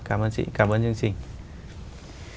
cảm ơn chị cảm ơn chương trình